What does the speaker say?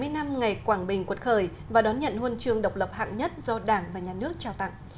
bảy mươi năm ngày quảng bình quật khởi và đón nhận huân chương độc lập hạng nhất do đảng và nhà nước trao tặng